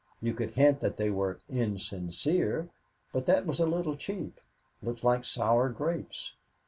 You could hint that they were "insincere," but that was a little cheap looked like sour grapes.